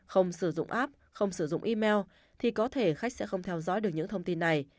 không sử dụng app không sử dụng email thì có thể khách sẽ không theo dõi được những thông tin này